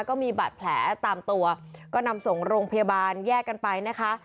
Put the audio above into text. ก็มีบาดแผลตามตัวก็นำส่งโรงพยาบาลแยกกันไปนะคะ